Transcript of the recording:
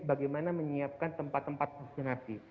bagaimana menyiapkan tempat tempat vaksinasi